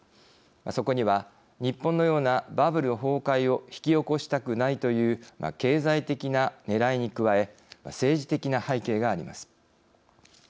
そこには日本のようなバブル崩壊を引き起こしたくないという経済的なねらいに加え政治的な背景があります。